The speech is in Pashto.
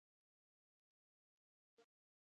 ځینې مکروبونه د کرسټل وایولېټ رنګ نیسي.